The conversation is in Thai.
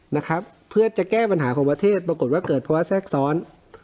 นะครับเพื่อจะแก้ปัญหาของประเทศปรากฏว่าเกิดภาวะแทรกซ้อน